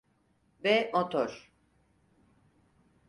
Ve motor!